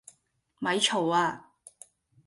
咪嘈呀！